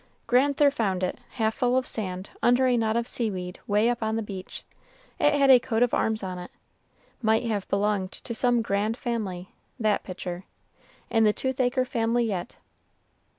"Grand'ther found it, half full of sand, under a knot of seaweed way up on the beach. It had a coat of arms on it, might have belonged to some grand family, that pitcher; in the Toothacre family yet."